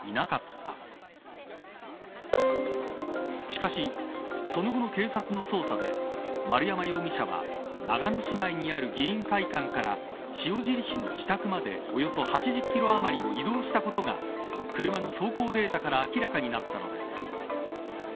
しかし、その後の警察の捜査で丸山容疑者は長野市内にある議員会館から塩尻市の自宅までおよそ８０キロあまりを移動したことが車の走行データから明らかになったのです。